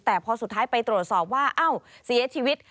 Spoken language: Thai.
แต่พอสุดท้ายไปตรวจสอบว่าเอ้าเสียชีวิต